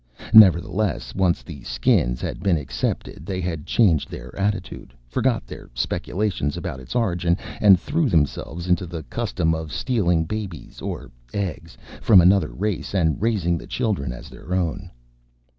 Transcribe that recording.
Nevertheless, once the Skins had been accepted they had changed their attitude, forgot their speculations about its origin and threw themselves into the custom of stealing babies or eggs from another race and raising the children as their own.